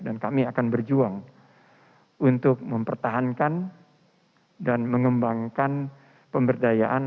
dan kami akan berjuang untuk mempertahankan dan mengembangkan pemberdayaan